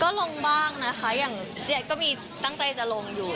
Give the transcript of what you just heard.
ก็ลงบ้างนะคะอย่างเจียดก็มีตั้งใจจะลงอยู่